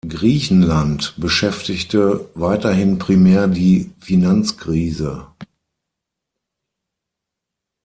Griechenland beschäftigte weiterhin primär die Finanzkrise.